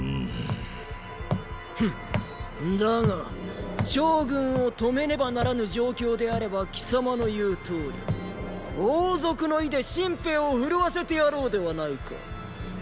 フンだが趙軍を止めねばならぬ状況であれば貴様の言うとおり王族の威で秦兵を奮わせてやろうではないか。